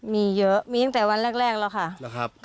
มีเยอะมีตั้งแต่วันแรกแล้วค่ะ